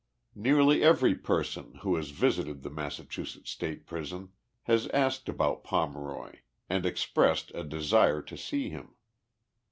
Nearly every person, who has visited the Massachusetts State Prison, has asked about Pomeroy and expressed a desire to see him.